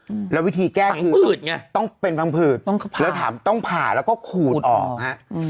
อืมแล้ววิธีแก้ขูดผืดไงต้องเป็นพังผืดแล้วถามต้องผ่าแล้วก็ขูดออกฮะอืม